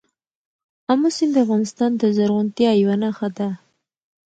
آمو سیند د افغانستان د زرغونتیا یوه نښه ده.